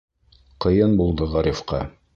Ҡыйын булды Ғарифҡа.